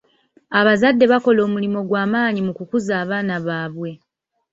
Abazadde bakola omulimu gw'amaanyi mu kukuza abaana baabwe.